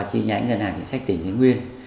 chính phủ nhân hạng chính sách tỉnh nguyên